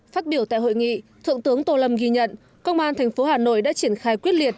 phát biểu tại hội nghị thượng tướng tô lâm ghi nhận công an thành phố hà nội đã triển khai quyết liệt